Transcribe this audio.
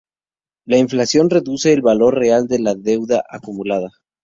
La inflación reduce el valor real de la deuda acumulada.